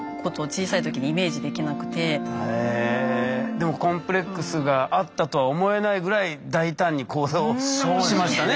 でもコンプレックスがあったとは思えないぐらい大胆に行動をしましたね